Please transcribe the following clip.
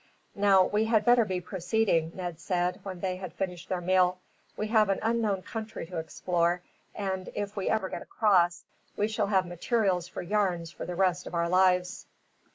"Now we had better be proceeding," Ned said, when they had finished their meal. "We have an unknown country to explore and, if we ever get across, we shall have materials for yarns for the rest of our lives."